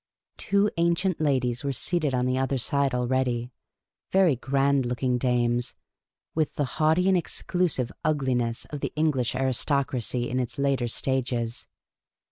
Two ancient ladies were seated on the other side already — very grand looking dames, with the haughty and exclusive ugliness of the English aristocracy in its later stages.